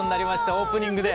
オープニングで。